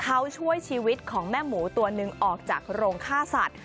เขาช่วยชีวิตของแม่หมูตัวหนึ่งออกจากโรงฆ่าสัตว์